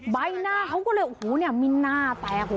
ใบหน้าเขาก็เลยโอ้โหเนี่ยมีหน้าแตก